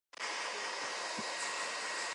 有兩步七仔